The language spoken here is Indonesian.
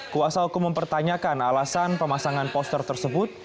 kuasa hukum mempertanyakan alasan pemasangan poster tersebut